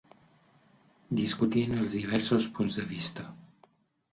Discutien els diversos punts de vista.